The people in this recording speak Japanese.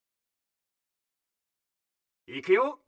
いくよ。